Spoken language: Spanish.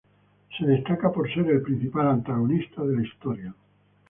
Se destaca por ser el principal antagonista de la historia.